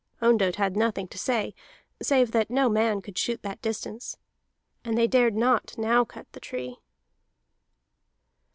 Ondott had nothing to say, save that no man could shoot that distance. And they dared not now cut the tree.